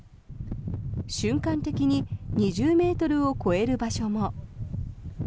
瞬間的に２０ｍを超える場所も。